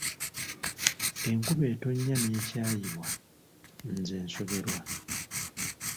Enkuba etonnya n’ekyayibwa nze nsoberwa.